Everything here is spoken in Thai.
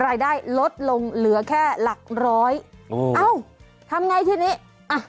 รายได้ลดลงเหลือแค่หลักร้อยโอ้เอ้าทำไงทีนี้อ่ะ